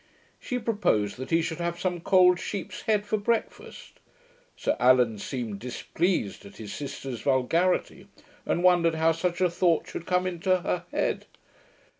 She proposed that he should have some cold sheep's head for breakfast. Sir Allan seemed displeased at his sister's vulgarity, and wondered how such a thought should come into her head.